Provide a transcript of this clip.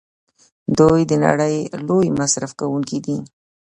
دوی د نړۍ لوی مصرف کوونکي دي.